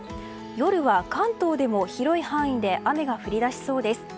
夜は関東でも広い範囲で雨が降り出しそうです。